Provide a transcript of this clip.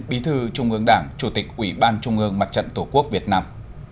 bí thư trung ương đảng chủ tịch ủy ban trung ương mặt trận tổ quốc việt nam